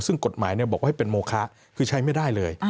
ซึ่งกฎหมายบอกว่าให้เป็นโมคะคือใช้ไม่ได้เลย